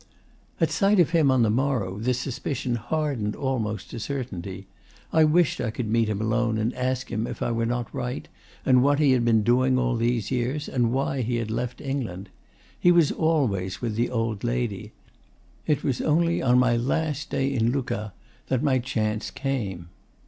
At sight of him on the morrow this suspicion hardened almost to certainty. I wished I could meet him alone and ask him if I were not right, and what he had been doing all these years, and why he had left England. He was always with the old lady. It was only on my last day in Lucca that my chance came.